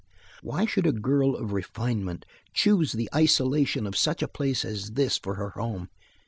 Why should a girl of refinement choose the isolation of such a place as this for her home?